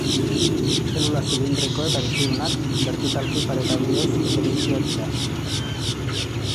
Zelula zilindriko eta bizidunak, bertikalki pareta bidez bereiziak dira.